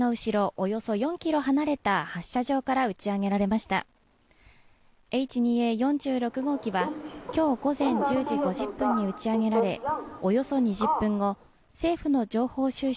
およそ４ｋｍ離れた発射場から打ち上げられましたＨ２Ａ４６号機はきょう午前１０時５０分に打ち上げられおよそ２０分後政府の情報収集